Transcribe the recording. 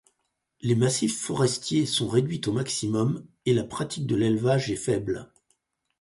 Les massifs forestiers sont réduits au maximum, et la pratique de l'élevage est faible.